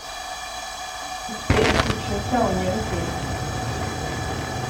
ufite icyicaro cyawo i Nyarugenge